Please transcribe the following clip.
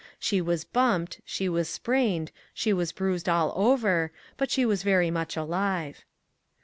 She was bumped, she was sprained, she was bruised all over ; but she was very much alive.